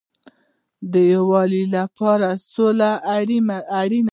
د یووالي لپاره سوله اړین ده